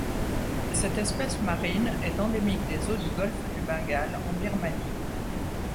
Cette espèce marine est endémique des eaux du golfe du Bengale en Birmanie.